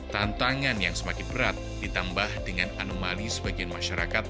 tantangan yang semakin berat ditambah dengan anomali sebagian masyarakat